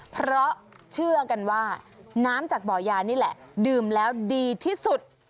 เพราะเชื่อกันว่าน้ำจากบ่อยานี่แหละดื่มแล้วดีที่สุด